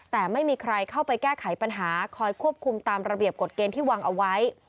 แต่ไม่มีใครเข้าไปแก้ไขปัญหาคอยควบคุมตามระเบียบกฎเกณฑ์ที่วางเอาไว้